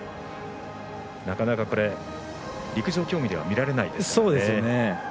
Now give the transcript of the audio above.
なかなか、これ、陸上競技では見られないですからね。